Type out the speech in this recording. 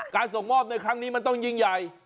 ส่งมอบในครั้งนี้มันต้องยิ่งใหญ่